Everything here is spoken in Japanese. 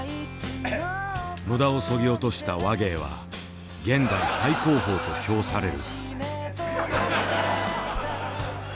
無駄をそぎ落とした話芸は現代最高峰と評される。